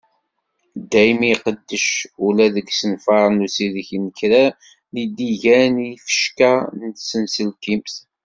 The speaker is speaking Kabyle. Daymi i iqeddec ula deg yiṣenfaṛen n usideg n kra n yidigan d yifecka n tsenselkimt.